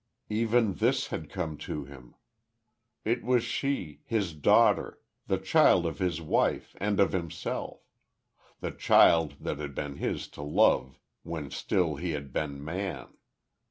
Even this had come to him! It was she his daughter the child of his wife, and of himself the child that had been his to love when still he had been man.